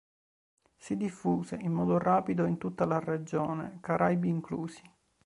Si diffuse in modo rapido in tutta la regione, Caraibi inclusi.